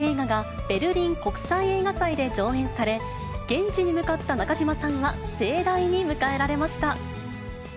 ＪＵＭＰ・中島裕翔さんの主演する映画が、ベルリン国際映画祭で上映され、現地に向かった中島さんは、盛大に迎えられました。